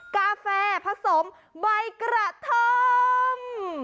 กาแฟผสมใบกระท่อม